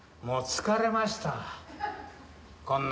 もう疲れましたわ。